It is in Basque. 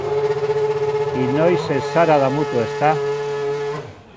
Inoiz ez zara damutu, ezta?